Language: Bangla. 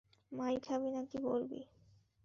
মাইর খাবি নাকি বলবি?